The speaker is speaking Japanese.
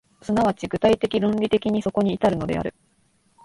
即ち具体的論理的にそこに至るのである。